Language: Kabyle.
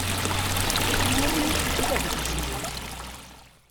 I wumi i tefkiḍ adlis-nni?